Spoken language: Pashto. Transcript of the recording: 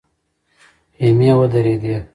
خيمې ودرېدې.